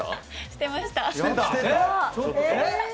してました。